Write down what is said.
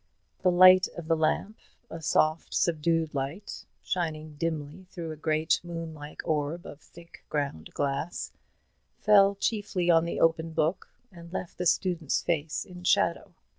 The light of the lamp a soft subdued light, shining dimly through a great moon like orb of thick ground glass fell chiefly on the open book, and left the student's face in shadow.